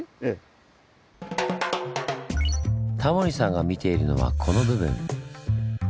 タモリさんが見ているのはこの部分。